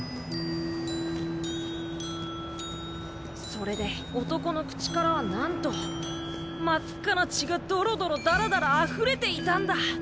それで男の口からはなんと真っ赤な血がどろどろだらだらあふれていたんだ。